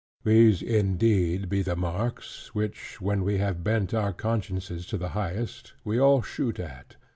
These indeed be the marks, which (when we have bent our consciences to the highest) we all shoot at.